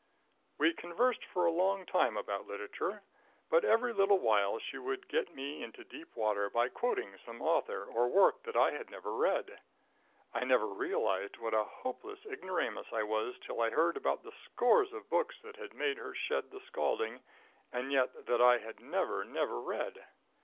We conversed for a long time about literature, but every little while she would get me into deep water by quoting some author or work that I had never read. I never realized what a hopeless ignoramus I was till I heard about the scores of books that had made her shed the scalding, and yet that I had never, never read.